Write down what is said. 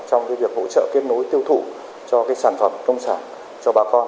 trong việc hỗ trợ kết nối tiêu thụ cho sản phẩm nông sản cho bà con